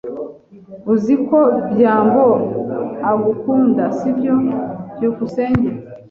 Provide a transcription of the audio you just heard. Uzi ko byambo agukunda, sibyo? byukusenge